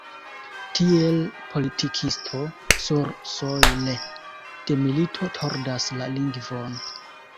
Tiel politikisto sursojle de milito tordas la lingvon.